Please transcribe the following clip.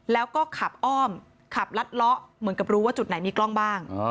แล้วก็ขับอ้อมขับลัดเลาะเหมือนกับรู้ว่าจุดไหนมีกล้องบ้าง